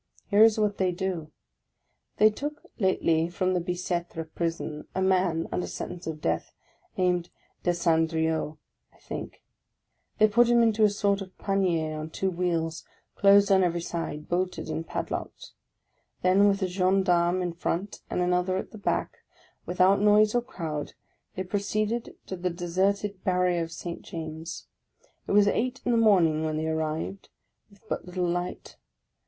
Here is what they do. They took lately from the Bicetre prison a man, under sentence of death, named Desandrieux, I think; they put him into a sort of panier on two wheels, closed on every side, bolted and pad locked; then with a gendarme in front, and another at the back, without noise or crowd, they proceeded to the deserted barrier of St. James. It was eight in the morning when they arrived, with but little light.